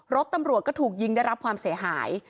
รถตำรวจก็ถูกยิงได้รับความเสียหาย